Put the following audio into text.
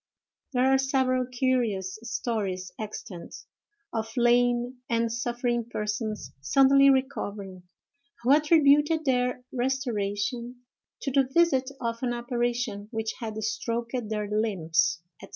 There are several curious stories extant, of lame and suffering persons suddenly recovering, who attributed their restoration to the visit of an apparition which had stroked their limbs, &c.